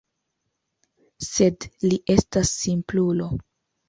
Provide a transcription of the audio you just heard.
Sed li estas simplulo.